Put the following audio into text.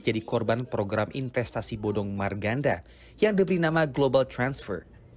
jadi korban program investasi bodong marganda yang diberi nama global transfer